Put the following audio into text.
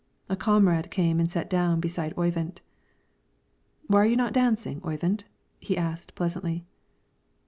A comrade came and sat down beside Oyvind. "Why are you not dancing, Oyvind? " he asked pleasantly.